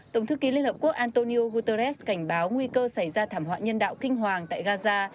tổng thư ký liên hợp quốc antonio guterres cảnh báo nguy cơ xảy ra thảm họa nhân đạo kinh hoàng tại gaza